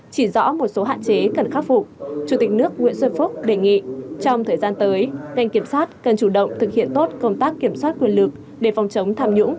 chỉ rõ một số hạn chế cần khắc phục chủ tịch nước nguyễn xuân phúc đề nghị trong thời gian tới ngành kiểm sát cần chủ động thực hiện tốt công tác kiểm soát quyền lực để phòng chống tham nhũng